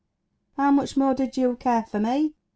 How much more did you care for me